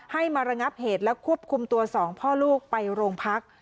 มาระงับเหตุและควบคุมตัวสองพ่อลูกไปโรงพัก